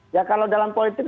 ya kalau dalam politik